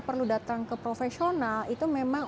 perlu datang ke profesional itu memang